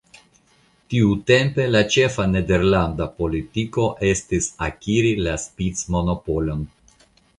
Tiutempe la ĉefa nederlanda politiko estis akiri la spicmonopolon.